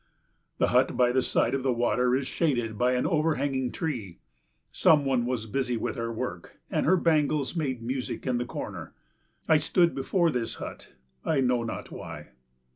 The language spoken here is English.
The hut by the side of the water is shaded by an overhanging tree. Some one was busy with her work, and her bangles made music in the corner. I stood before this hut, I know not why.